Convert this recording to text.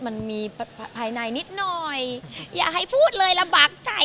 มันมีภายในนิดหน่อยอย่าให้พูดเลยลำบากใจ